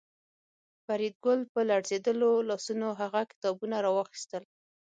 فریدګل په لړزېدلو لاسونو هغه کتابونه راواخیستل